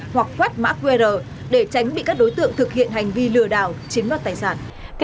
hoặc quét mã qr để tránh bị các đối tượng thực hiện hành vi lừa đảo chiếm đoạt tài sản